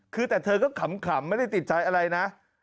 คือแต่เธอก็ขำไม่ได้ติดใจอะไรนะ